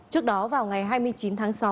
trước đó vào ngày hai mươi chín tháng sáu